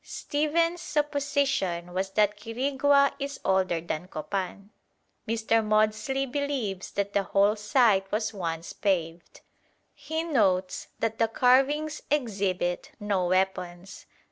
Stephens's supposition was that Quirigua is older than Copan. Mr. Maudslay believes that the whole site was once paved. He notes that the carvings exhibit no weapons.